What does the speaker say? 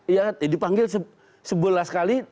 iya kan dipanggil sebelas kali